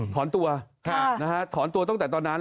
ถอนตัวถอนตัวตั้งแต่ตอนนั้น